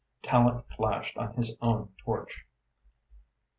Tallente flashed on his own torch.